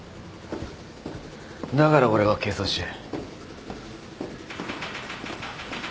だから俺は警察署へ。